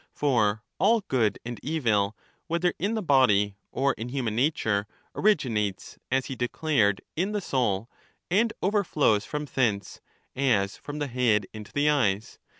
For all good and evil, whether in the body or in human nature, originates, as he declared, in the soul, and overflows from thence, as from the head into the eyes.